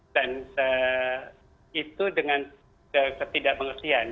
dan itu dengan ketidakmengertian